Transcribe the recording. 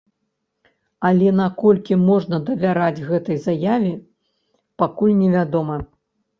Але наколькі можна давяраць гэтай заяве, пакуль невядома.